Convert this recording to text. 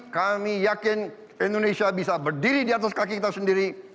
kami yakin indonesia bisa berdiri di atas kaki kita sendiri